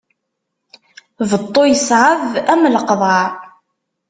Beṭṭu yeṣɛeb am leqḍaɛ.